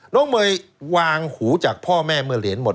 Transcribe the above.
น้องเมย์วางหูจากพ่อแม่เมื่อเหรียญหมด